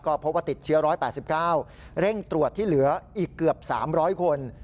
ก็พบว่าติดเชื้อ๑๘๙เร่งตรวจที่เหลืออีกเกือบ๓๐๐คน